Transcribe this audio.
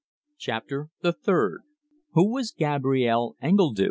CHAPTER THE THIRD WHO WAS GABRIELLE ENGLEDUE?